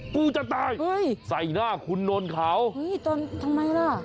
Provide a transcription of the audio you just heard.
กูจะตายใส่หน้าคุณนนท์เขาเฮ้ยตอนทำไมล่ะ